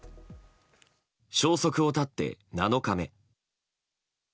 消息を絶って７日目。